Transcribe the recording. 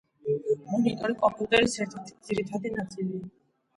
მონიტორი კომპიუტერის ერთ-ერთი ძირითადი ნაწილია.